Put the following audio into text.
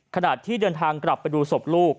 ขณะที่เดินทางกลับไปดูศพลูก